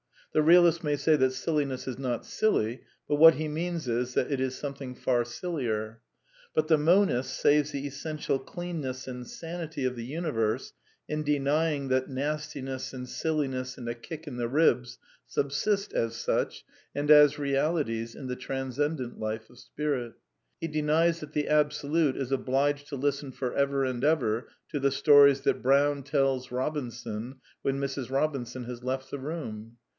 The real ist may say that silliness is not silly, but what he means is that it is something far sillier. But the monist saves the essential cleanness and sanity of the universe in denying that nastiness and silliness and a kick in the ribs subsist, as such, and as realities, in the transcendent life of Spirit. He denies that the Absolute is obliged to listen for ever and ever to the stories that Brown tells Kobinson when Mrs. Robinson has left the room.